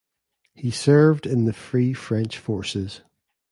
He served in the Free French Forces.